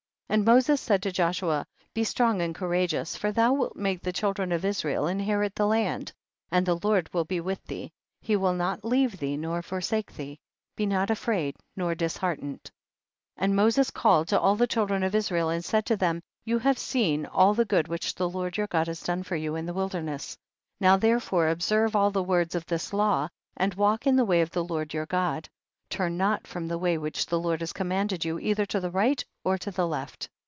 4. And Moses said to Joshua, be strong and courageous for thou wilt make the children of Israel inherit the land, and the Lord will be with thee, he will not leave thee nor for sake thee, be not afraid nor dis heartened. 5. And Moses called to all the children of Israel and said to them, you have seen all the good which the Lord your God has done for you in the wilderness. 6. Now therefore observe all the words of this law, and walk in the way of the Lord your God, turn not from the way which the Lord has commanded you, either to the right or to the left.